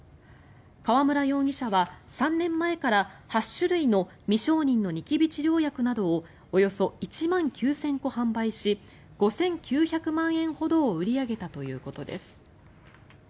河村容疑者は、３年前から８種類の未承認のニキビ治療薬などをおよそ１万９０００個販売し５９００万円ほどを売り上げたということです。